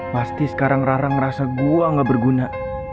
pasti sekarang rara ngerasa gua gak berguna